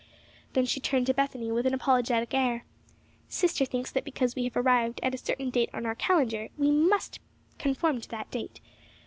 Then she turned to Bethany with an apologetic air. "Sister thinks because we have arrived at a certain date on our calendar, we must conform to that date.